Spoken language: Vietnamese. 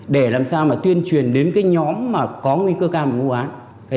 để làm sao mà tuyên truyền đến nhóm có nguy cơ ca mùa bán